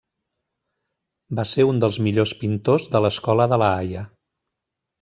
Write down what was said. Va ser un dels millors pintors de l'Escola de La Haia.